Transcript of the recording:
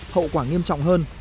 hậu quả nghiêm trọng hơn